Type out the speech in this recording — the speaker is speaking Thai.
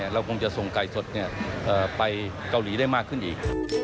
เราคงจะส่งไก่สดไปเกาหลีได้มากขึ้นอีก